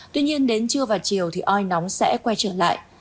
tuy nhiên đến trưa và chiều thì oi nóng sẽ quay trở lại